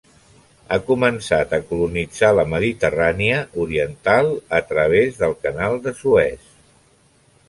Ha començat a colonitzar la Mediterrània oriental a través del Canal de Suez.